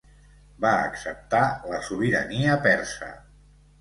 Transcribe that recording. Va acceptar la sobirania persa.